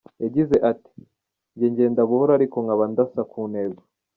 Yagize ati “ Njye ngenda buhoro ariko nkaba ndasa ku ntego.